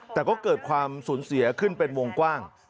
แต่ก็เกิดความสูญเสียขึ้นเป็นวงกว้าง